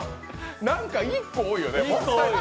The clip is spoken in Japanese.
なんか１個多いよね。